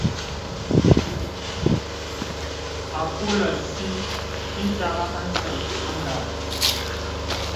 Àpōlə̀ sī itàgha a səŋ àgara.